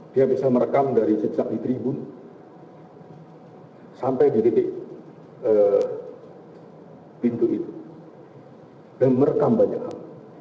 dia bisa merekam dari sejak di tribun sampai di titik pintu itu dan merekam banyak hal